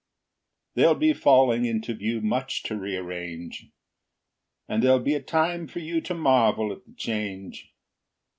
There'll be falling into view Much to rearrange; And there'll be a time for you To marvel at the change.